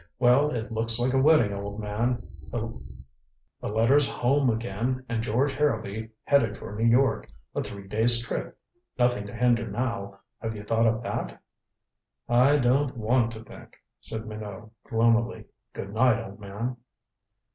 "Well, it looks like a wedding, old man. The letters home again, and George Harrowby headed for New York a three days' trip. Nothing to hinder now. Have you thought of that?" "I don't want to think," said Minot gloomily. "Good night, old man."